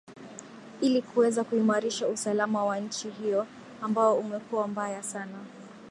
ili kuweza kuimarisha usalama wa nchi hiyo ambao umekuwa mbaya sana